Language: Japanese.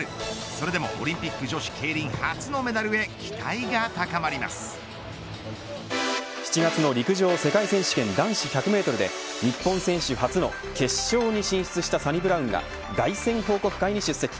それでも、オリンピック女子ケイリン初のメダルへ７月の陸上世界選手権男子１００メートルで日本選手初の決勝に進出したサニブラウンが凱旋報告会に出席。